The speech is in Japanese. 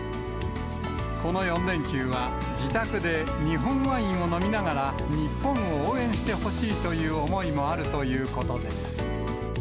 この４連休は自宅で日本ワインを飲みながら、日本を応援してほしいという思いもあるということです。